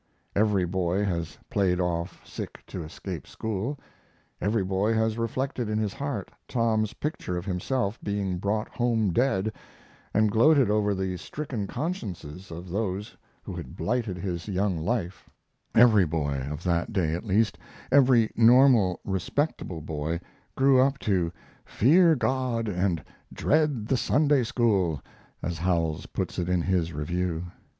Every boy has played off sick to escape school; every boy has reflected in his heart Tom's picture of himself being brought home dead, and gloated over the stricken consciences of those who had blighted his young life; every boy of that day, at least every normal, respectable boy, grew up to "fear God and dread the Sunday school," as Howells puts it in his review.